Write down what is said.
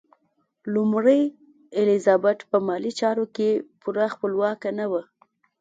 لومړۍ الیزابت په مالي چارو کې پوره خپلواکه نه وه.